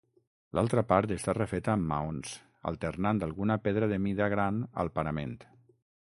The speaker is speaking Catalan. L'altra part està refeta amb maons, alternant alguna pedra de mida gran al parament.